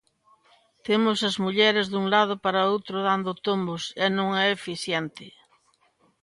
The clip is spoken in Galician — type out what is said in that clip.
Temos as mulleres dun lado para outro, dando tombos, e non é eficiente.